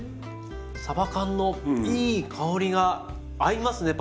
さば缶のいい香りが合いますね